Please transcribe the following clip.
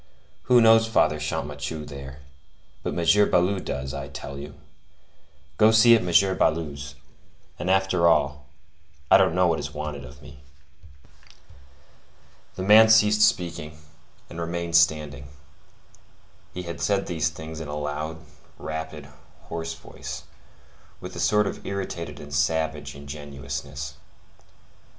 Who knows Father Champmathieu there? But M. Baloup does, I tell you. Go see at M. Baloup's; and after all, I don't know what is wanted of me." The man ceased speaking, and remained standing. He had said these things in a loud, rapid, hoarse voice, with a sort of irritated and savage ingenuousness.